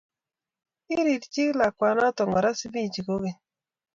Kirikchi lakwanoto Kora Sifichi kokeny